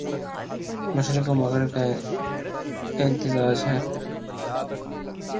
مشرق و مغرب کا امتزاج ہے